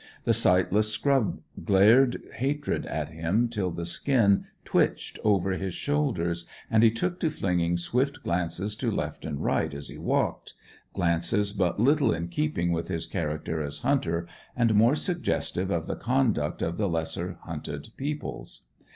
The sightless scrub glared hatred at him till the skin twitched over his shoulders, and he took to flinging swift glances to left and right as he walked glances but little in keeping with his character as hunter, and more suggestive of the conduct of the lesser hunted peoples.